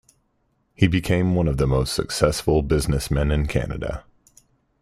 He became one of the most successful business men in Canada.